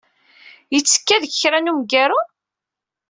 Yettekka deg kra n wemgaru?